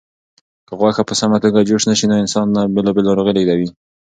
که غوښه په سمه توګه جوش نشي نو انسان ته بېلابېلې ناروغۍ لېږدوي.